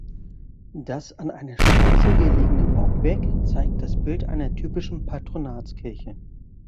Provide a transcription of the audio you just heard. Das an einer Straße gelegene Bauwerk zeigt das Bild einer typischen Patronatskirche.